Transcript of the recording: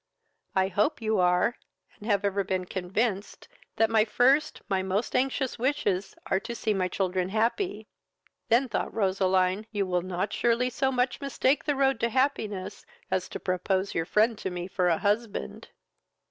I hope you are, and ever have been convinced that my first, my most anxious wishes are to see my children happy." (Then, thought Roseline, you will not surely so much mistake the road to happiness as to propose your friend to me for a husband.)